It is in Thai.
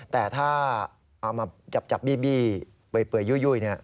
แต่ถ้าเอามาจับบี้เปื่อยยุ่ย